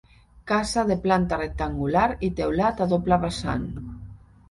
Casa de planta rectangular i teulat a doble vessant.